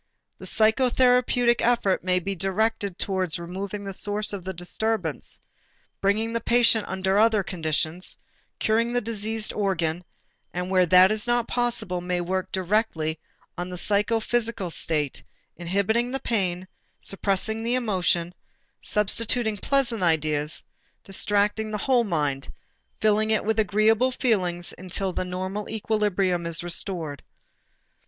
The psychotherapeutic effort may be directed toward removing the source of the disturbance, bringing the patient under other conditions, curing the diseased organ, and where that is not possible, may work directly on the psychophysical state, inhibiting the pain, suppressing the emotion, substituting pleasant ideas, distracting the whole mind, filling it with agreeable feelings, until the normal equilibrium is restored.